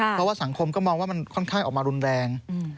เพราะว่าสังคมก็มองว่ามันค่อนข้างออกมารุนแรง